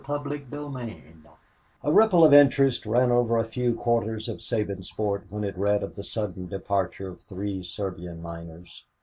CHAPTER II A ripple of interest ran over a few quarters of Sabinsport when it read of the sudden departure of three Serbian miners.